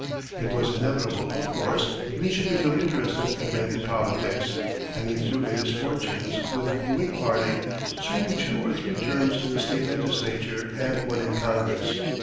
It was inevitable, of course, that he should become interested again in politics, and he threw in his fortunes with the Whig Party, serving two or three terms in the state legislature and one in Congress.